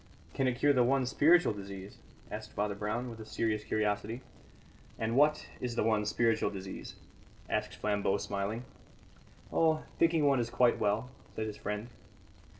"Can it cure the one spiritual disease?" asked Father Brown, with a serious curiosity. "And what is the one spiritual disease?" asked Flambeau, smiling. "Oh, thinking one is quite well," said his friend.